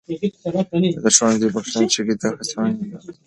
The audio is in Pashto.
د ښوونځي بخښنې چیغې به د هڅونې لامل سي.